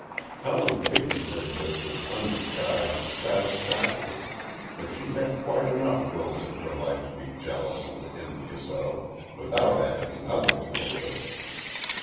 Helen Peyton heard this with undisguised satisfaction, for she had quite enough girls in her life to be jealous and envious of, without adding another to the list.